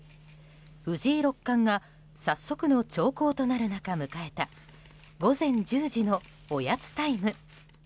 藤井六冠が早速の長考となる中迎えた午前１０時のおやつタイム。